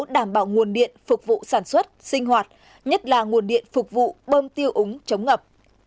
đảm bảo nguồn điện phục vụ sản xuất sinh hoạt nhất là nguồn điện phục vụ bơm tiêu úng chống ngập